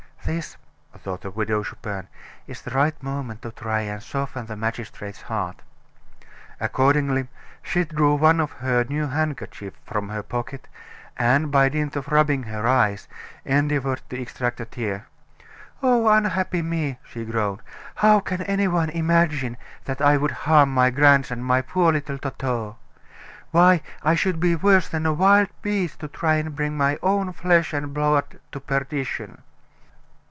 "This," thought the Widow Chupin, "is the right moment to try and soften the magistrate's heart." Accordingly, she drew one of her new handkerchiefs from her pocket, and, by dint of rubbing her eyes, endeavored to extract a tear. "Oh, unhappy me," she groaned. "How can any one imagine that I would harm my grandson, my poor little Toto! Why, I should be worse than a wild beast to try and bring my own flesh and blood to perdition."